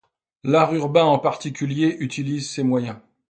L'art urbain en particulier utilise ces moyens.